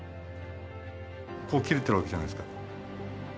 こう切れてるわけじゃないですか。